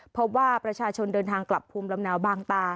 เพราะว่าประชาชนเดินทางกลับภูมิลำเนาบางตา